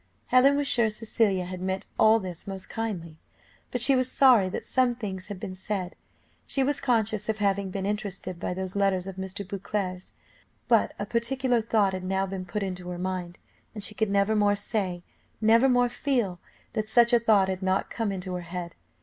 Helen was sure Cecilia had meant all this most kindly, but she was sorry that some things had been said. She was conscious of having been interested by those letters of Mr. Beauclerc's; but a particular thought had now been put into her mind, and she could never more say, never more feel, that such a thought had not come into her head.